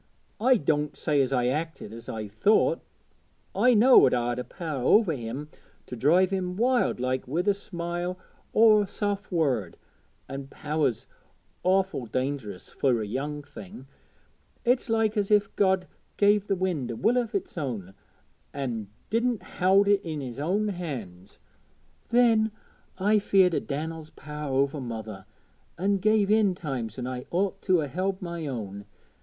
I doänt say as I acted as I ought; I knowed I'd a power over him to drive him wild like wi' a smile or a soft word, an' power's awful dangerous fur a young thing it's like as if God gave the wind a will o' its own, an' didn't howd it in His own hand. Then I was feared o' Dan'el's power over mother, an' give in times when I ought to 'a held my own.